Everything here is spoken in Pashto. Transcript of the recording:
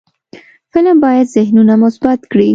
فلم باید ذهنونه مثبت کړي